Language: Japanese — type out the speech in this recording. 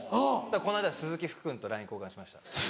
この間は鈴木福君とＬＩＮＥ交換しました。